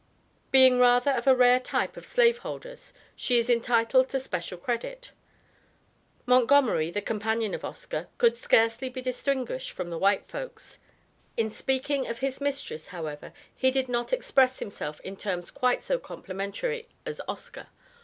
Being rather of a rare type of slave holders she is entitled to special credit. Montgomery the companion of Oscar could scarcely be distinguished from the white folks. In speaking of his mistress, however, he did not express himself in terms quite so complimentary as Oscar.